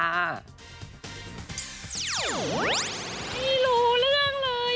ไม่รู้เรื่องเลย